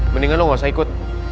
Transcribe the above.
mendingan lo gak usah ikut